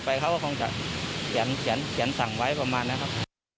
ไปเขาก็คงจะเสียสั่งไว้ประมาณนะครับ